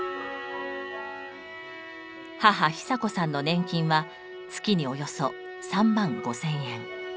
母・ひさこさんの年金は月におよそ３万５，０００円。